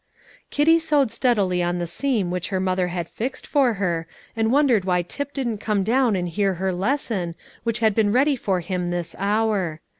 Kitty sewed steadily on the seam which her mother had fixed for her, and wondered why Tip didn't come down and hear her lesson, which had been ready for him this hour.